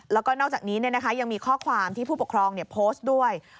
แล้วก็นอกจากนี้เนี่ยนะคะยังมีข้อความที่ผู้ปกครองเนี่ยโพสต์ด้วย